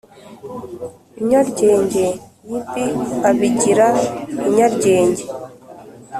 Inyaryenge yb abigira inyaryenge